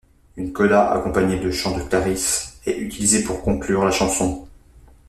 Une coda, accompagnée des chants de Claris, est utilisée pour conclure la chanson.